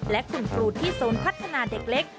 และคุณครูที่ศูนย์พัฒนาเด็กเล็ก